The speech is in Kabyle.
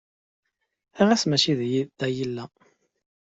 Ɣas mačči da i yella?